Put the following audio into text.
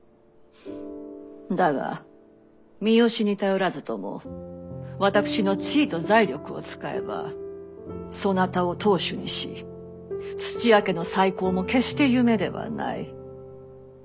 だが三好に頼らずとも私の地位と財力を使えばそなたを当主にし土屋家の再興も決して夢ではない。